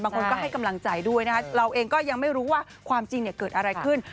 บางคนก็ให้กำลังใจด้วยนะคะเราเองก็ยังไม่รู้ว่าความจริงเกิดอะไรขึ้น